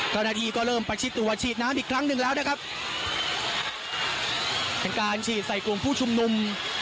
เจ้าหน้าที่ก็เริ่มประชิดตัวฉีดน้ำอีกครั้งหนึ่งแล้วนะครับเป็นการฉีดใส่กลุ่มผู้ชุมนุม